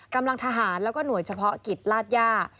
กำลังทหารแล้วก็หน่วยเฉพาะกิจลาดย่า